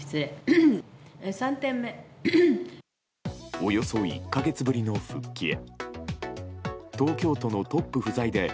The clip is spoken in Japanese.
およそ１か月ぶりの復帰へ。